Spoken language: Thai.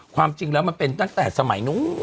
ความจริงแล้วมันเป็นตั้งแต่สมัยนู้น